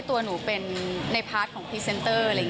ตัวหนูเป็นในพาร์ทของพรีเซนเตอร์